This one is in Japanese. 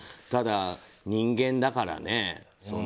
ただ、人間だからね。